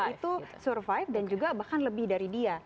itu survive dan juga bahkan lebih dari dia